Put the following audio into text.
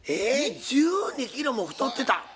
えっ１２キロも太ってた？